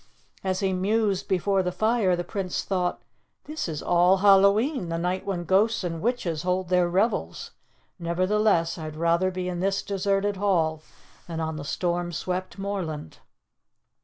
As he mused before the fire, the Prince thought, "This is All Hallowe'en, the night when ghosts and witches hold their revels. Nevertheless, I'd rather be in this deserted hall than on the storm swept moorland."